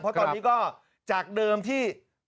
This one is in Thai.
เพราะตอนนี้ก็จากเดิมที่